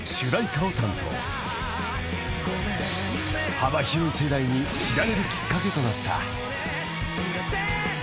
［幅広い世代に知られるきっかけとなった］